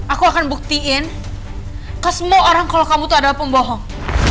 aku akan buktiin ke semua orang kalau kamu tuh adalah pembohong